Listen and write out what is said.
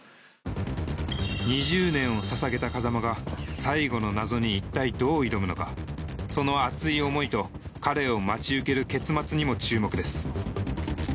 ２０年をささげた風真が最後の謎に一体どう挑むのかその熱い思いと彼を待ち受ける結末にも注目です